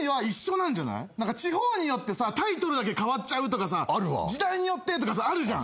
地方によってさタイトルだけ変わっちゃうとかさ時代によってとかさあるじゃん。